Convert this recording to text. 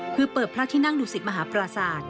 คือเปิดพระที่นั่งดุสิตมหาปราศาสตร์